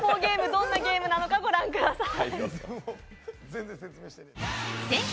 どんなゲームなのかご覧ください。